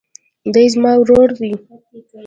دی زما ورور دئ.